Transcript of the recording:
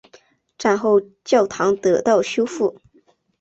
战后教堂得到修复。